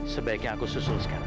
sebaiknya aku susul sekarang